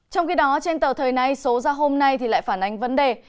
trong khi đó trên tờ thời nay số ra hôm nay lại phản ánh vấn đề